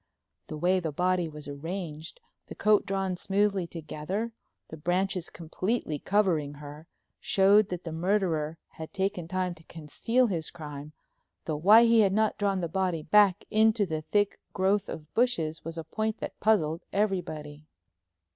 The way the body was arranged, the coat drawn smoothly together, the branches completely covering her, showed that the murderer had taken time to conceal his crime, though why he had not drawn the body back into the thick growth of bushes was a point that puzzled everybody.